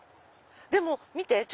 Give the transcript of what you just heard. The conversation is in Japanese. でも見て！